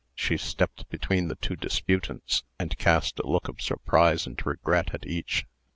She stepped between the two disputants, and cast a look of surprise and regret at each.